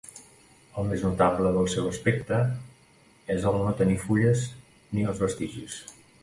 El més notable del seu aspecte és el no tenir fulles ni els vestigis.